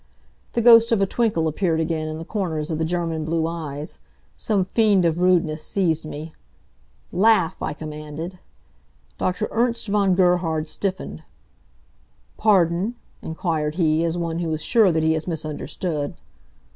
The ghost of a twinkle appeared again in the corners of the German blue eyes. Some fiend of rudeness seized me. "Laugh!" I commanded. Dr. Ernst von Gerhard stiffened. "Pardon?" inquired he, as one who is sure that he has misunderstood.